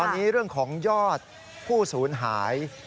ตอนนี้เรื่องของยอดผู้สูญหาย